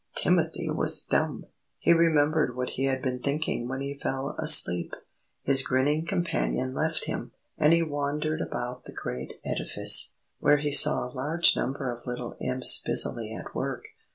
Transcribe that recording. Timothy was dumb. He remembered what he had been thinking when he fell asleep. His grinning companion left him, and he wandered about the great edifice, where he saw a large number of little Imps busily at work.